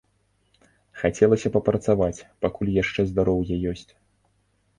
Хацелася папрацаваць, пакуль яшчэ здароўе ёсць.